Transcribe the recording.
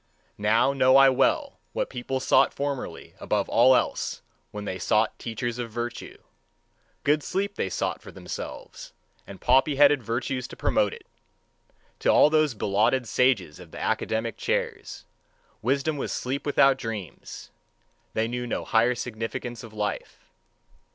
Now know I well what people sought formerly above all else when they sought teachers of virtue. Good sleep they sought for themselves, and poppy head virtues to promote it! To all those belauded sages of the academic chairs, wisdom was sleep without dreams: they knew no higher significance of life.